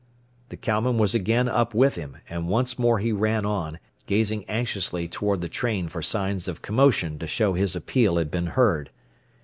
_" The cowman was again up with him, and once more he ran on, gazing anxiously toward the train for signs of commotion to show his appeal had been heard.